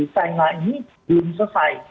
china ini belum selesai